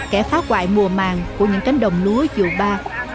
kẻ phá hoại mùa màng của những cánh đồng lúa vụ ba